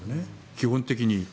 基本的に。